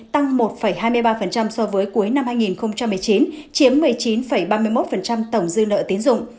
tăng một hai mươi ba so với cuối năm hai nghìn một mươi chín chiếm một mươi chín ba mươi một tổng dư nợ tiến dụng